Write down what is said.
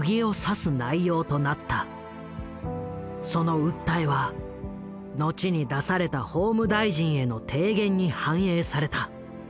その訴えは後に出された法務大臣への提言に反映された。